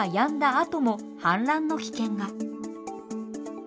あとも氾濫の危険が。